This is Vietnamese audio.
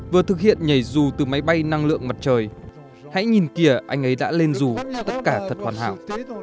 vừa thực hiện nhảy dù từ máy bay năng lượng mặt trời hãy nhìn kìa anh ấy đã lên dù tất cả thật hoàn hảo